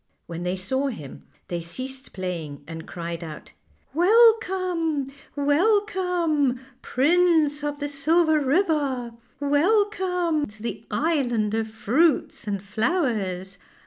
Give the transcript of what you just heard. When they saw him they ceased playing, and cried out :" Welcome ! welcome ! Prince of the Silver River, welcome to the island of fruits and flowers.